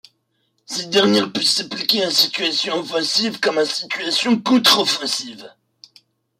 Cette dernière peut s’appliquer en situation offensive comme en situation contre-offensive.